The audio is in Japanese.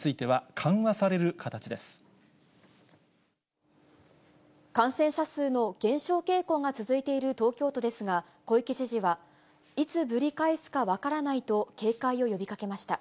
感染者数の減少傾向が続いている東京都ですが、小池知事は、いつぶり返すか分からないと、警戒を呼びかけました。